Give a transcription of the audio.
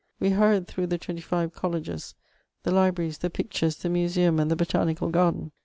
We hurried tiuough the twenty fiye colleges, the libraries, the pictures, the museum, and tiie Botanical Garden.